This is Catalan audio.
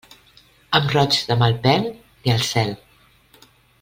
Amb roig de mal pèl, ni al cel.